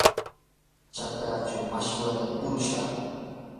chakraachaw mashwatam murushaq.